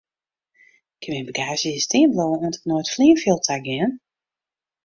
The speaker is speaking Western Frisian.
Kin myn bagaazje hjir stean bliuwe oant ik nei it fleanfjild ta gean?